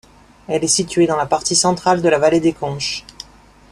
Elle est située dans la partie centrale de la vallée de Conches.